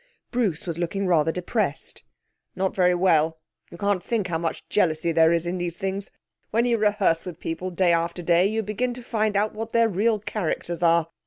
Bruce was looking rather depressed. 'Not very well. You can't think how much jealousy there is in these things! When you rehearse with people day after day you begin to find out what their real characters are.